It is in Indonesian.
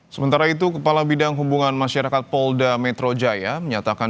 sementara itu kepala bidang hubungan masyarakat polda metro jaya menyatakan